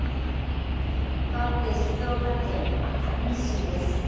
かわって静岡県熱海市です。